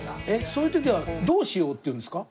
そういう時はどう塩うって言うんですか？